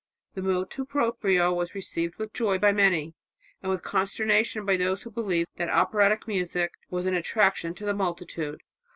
The motu proprio was received with joy by many, and with consternation by those who believed that operatic music was an attraction to the multitude.